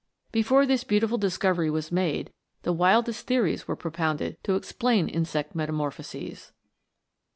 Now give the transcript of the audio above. Before this beautiful discovery was made the wildest theories were propounded to explain insect meta morphoses. METAMORPHOSES.